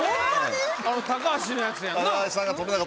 あの高橋のやつやんな？